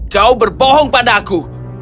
kau berbohong padaku